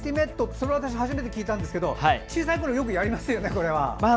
私、初めて聞いたんですけど小さいころよくやりますよね。